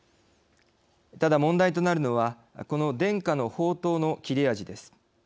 ただ、問題となるのはこの伝家の宝刀の切れ味です。